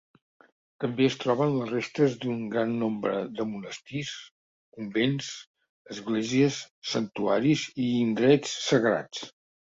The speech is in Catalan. També es troben les restes d'un gran nombre de monestirs, convents, esglésies, santuaris i indrets sagrats.